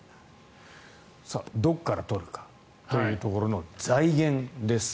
どこから取るかというところの財源です。